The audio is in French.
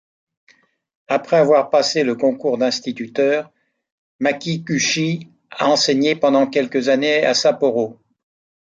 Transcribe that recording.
Après avoir passé le concours d'instituteur, Makiguchi a enseigné pendant quelques années à Sapporo.